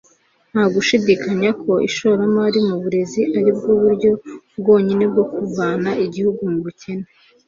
Nta gushidikanya ko ishoramari mu burezi ari bwo buryo bwonyine bwo kuvana igihugu mu bukene